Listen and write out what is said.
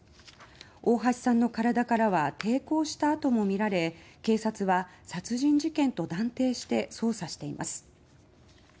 大橋さんの体からは抵抗した跡もみられ警察は殺人事件と断定して捜査しています。